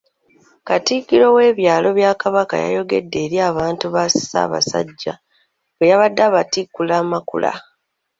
Katikkiro w'ebyalo bya Kabaka yayogeddeko eri abantu ba Ssaabasajja bwe yabadde abatikkula amakula.